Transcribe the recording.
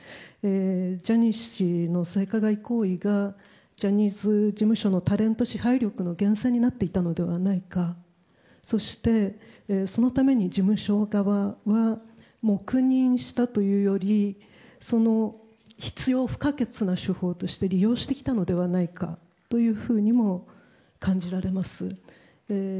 ジャニー氏の性加害行為がジャニーズ事務所のタレント支配力の源泉になっていたのではないかそしてそのために事務所側は黙認をしたというより必要不可欠な手法として利用してきたのではないかというふうにも感じられます。